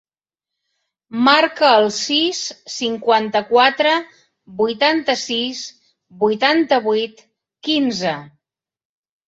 Marca el sis, cinquanta-quatre, vuitanta-sis, vuitanta-vuit, quinze.